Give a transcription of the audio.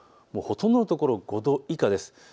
ほとんどのところ５度以下です。